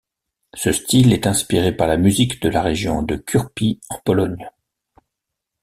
Ce style est inspiré par la musique de la région de Kurpie en Pologne.